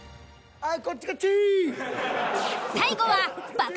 はい。